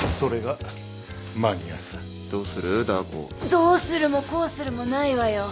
どうするもこうするもないわよ。